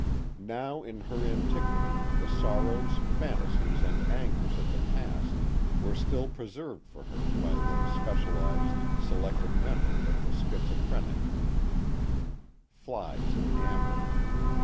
Now in her antiquity the sorrows, fantasies, and angers of the past were still preserved for her by the specialized, selective memory of the schizophrenic, flies in amber.